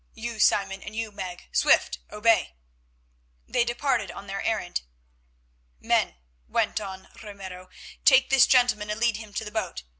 You, Simon, and you, Meg. Swift, obey." They departed on their errand. "Men," went on Ramiro, "take this gentleman and lead him to the boat.